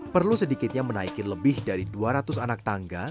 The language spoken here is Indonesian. perlu sedikitnya menaiki lebih dari dua ratus anak tangga